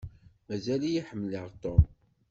Mazal-iyi ḥemmleɣ Tom.